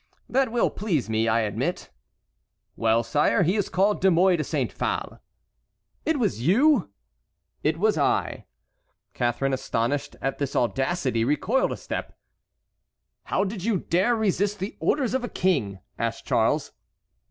"That will please me, I admit." "Well, sire, he is called De Mouy de Saint Phale." "It was you?" "It was I." Catharine, astonished at this audacity, recoiled a step. "How did you dare resist the orders of the King?" asked Charles.